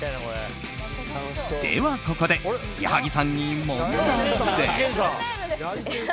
では、ここで矢作さんに問題です。